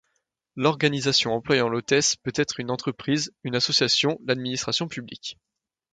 L'organisation employant l'hôtesse peut être une entreprise, une association, l'administration publique...